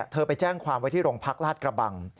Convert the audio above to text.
เธอไปแจ้งความว่าที่โรงพักราศกระบัง